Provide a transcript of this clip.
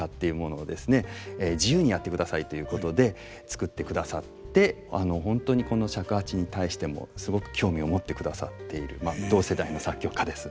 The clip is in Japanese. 自由にやってくださいということで作ってくださって本当にこの尺八に対してもすごく興味を持ってくださっている同世代の作曲家です。